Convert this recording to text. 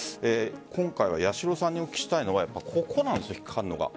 今回は八代さんにお聞きしたいのはここです。